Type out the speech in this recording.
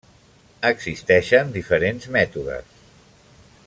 Existeixen diferents mètodes.